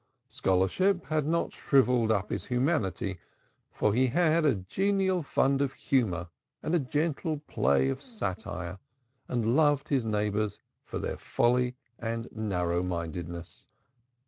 Scholarship had not shrivelled up his humanity, for he had a genial fund of humor and a gentle play of satire and loved his neighbors for their folly and narrowmindedness.